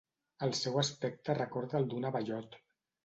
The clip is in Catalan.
El seu aspecte recorda el d'un abellot.